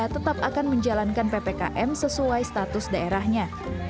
tetap akan menjalankan ppkm sesuai status daerahnya